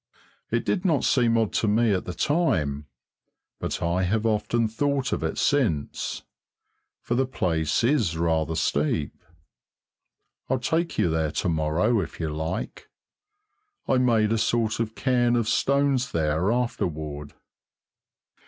It did not seem odd to me at the time, but I have often thought of it since, for the place is rather steep. I'll take you there to morrow if you like I made a sort of cairn of stones there afterward.